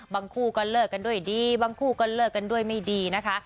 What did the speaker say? คู่ก็เลิกกันด้วยดีบางคู่ก็เลิกกันด้วยไม่ดีนะคะ